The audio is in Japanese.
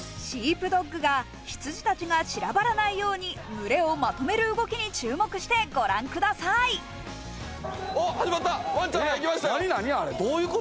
シープドッグが羊たちが散らばらないように群れをまとめる動きに注目してご覧ください。